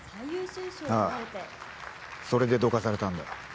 ああそれでどかされたんだ。